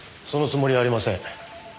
そのつもりはありません。